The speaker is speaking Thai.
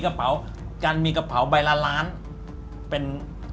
การมีกระเป๋าใบละล้านเป็น